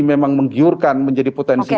memang menggiurkan menjadi potensi